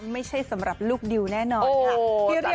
ไม่ใช่สำหรับลูกดิวแน่นอนค่ะ